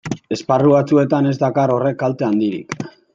Esparru batzuetan ez dakar horrek kalte handirik.